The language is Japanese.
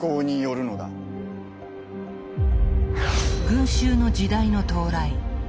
「群衆の時代」の到来。